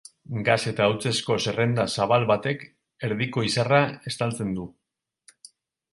Gas eta hautsezko zerrenda zabal batek erdiko izarra estaltzen du.